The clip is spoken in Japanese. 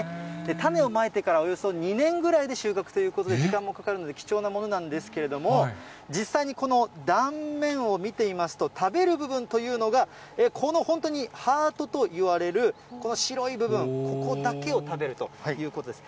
種をまいてからおよそ２年ぐらいで収穫ということで、時間もかかるので、貴重なものなんですけれども、実際にこの断面を見てみますと、食べる部分というのが、この本当にハートといわれるこの白い部分、ここだけ食べるということです。